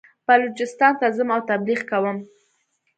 بلوچستان ته ځم او تبلیغ کوم.